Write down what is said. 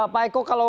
pak eko kalau